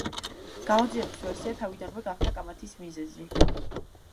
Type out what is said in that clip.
გამოძიების ვერსია თავიდანვე გახდა კამათის მიზეზი.